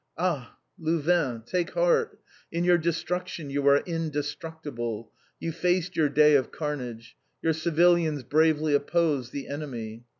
Ah, Louvain! Take heart! In your destruction you are indestructible. You faced your day of carnage. Your civilians bravely opposed the enemy.